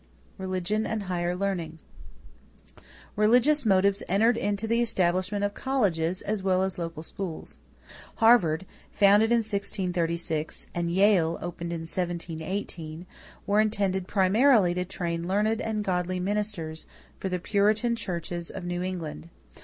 =Religion and Higher Learning.= Religious motives entered into the establishment of colleges as well as local schools. Harvard, founded in 1636, and Yale, opened in 1718, were intended primarily to train "learned and godly ministers" for the Puritan churches of New England.